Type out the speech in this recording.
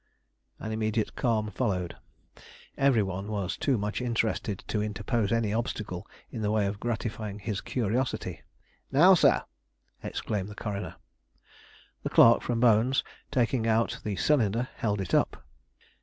An immediate calm followed. Every one was too much interested to interpose any obstacle in the way of gratifying his curiosity. "Now, sir!" exclaimed the coroner. The clerk from Bonn's, taking out the cylinder, held it up.